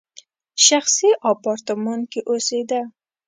شخصي اپارتمان کې اوسېده.